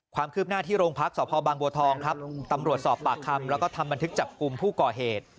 ความคืบหน้าที่โรงพักษพบางบัวทองครับตำรวจสอบปากคำแล้วก็ทำบันทึกจับกลุ่มผู้ก่อเหตุ